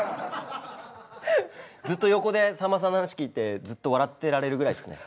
ずっと横でさんまさんの話聞いてずっと笑ってられるぐらいですね。